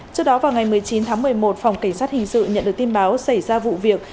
trước đó vào ngày một mươi chín tháng một mươi một phòng cảnh sát hình sự nhận được tin báo xảy ra vụ việc